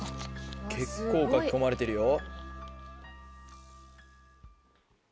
結構書き込まれてるよ。